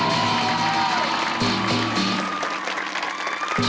วันนี้ข้ามาขอยืมของสำคัญ